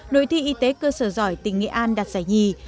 đội thi y tế cơ sở giỏi tỉnh nghệ an đạt giải nhì